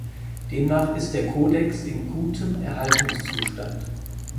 Demnach ist der Codex in gutem Erhaltungszustand.